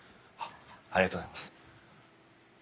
ありがとうございます。